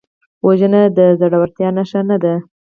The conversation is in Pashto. وژنه د زړورتیا نښه نه ده